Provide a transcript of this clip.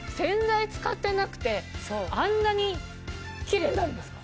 あんなにキレイになるんですか？